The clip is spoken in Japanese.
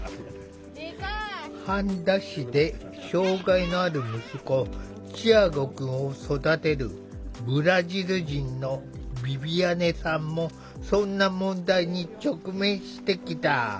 半田市で障害のある息子チアゴくんを育てるブラジル人のヴィヴィアネさんもそんな問題に直面してきた。